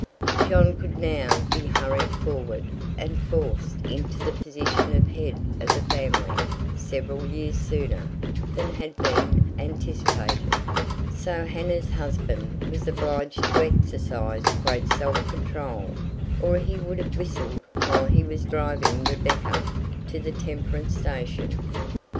John could now be hurried forward and forced into the position of head of the family several years sooner than had been anticipated, so Hannah's husband was obliged to exercise great self control or he would have whistled while he was driving Rebecca to the Temperance station.